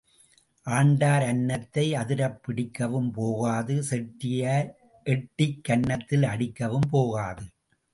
ஆண்டார் அன்னத்தை அதிரப் பிடிக்கவும் போகாது செட்டியார் எட்டிக் கன்னத்தில் அடிக்கவும் போகாது.